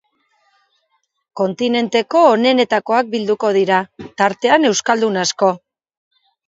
Kontinenteko onenetakoak bilduko dira, tartean euskaldun asko.